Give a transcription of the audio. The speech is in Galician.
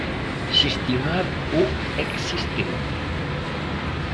Xestionar o existente.